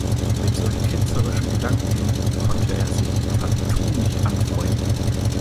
Mit solch ketzerischen Gedanken konnte er sich partout nicht anfreunden.